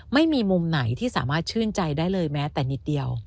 ไม่มีมุมไหนที่สามารถชื่นใจได้เลยแม้แต่นิดเดียว